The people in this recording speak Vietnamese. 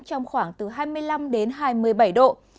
trong khoảng từ hai mươi năm đến hai mươi bảy độ